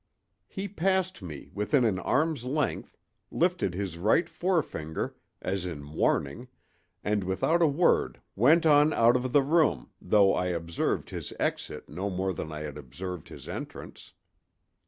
"He passed me, within an arm's length, lifted his right forefinger, as in warning, and without a word went on out of the room, though I observed his exit no more than I had observed his entrance.